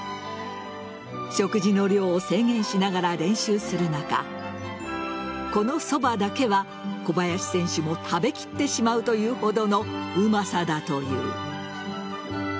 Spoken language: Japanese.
食事の量を制限しながら練習する中このそばだけは小林選手も食べきってしまうというほどのうまさだという。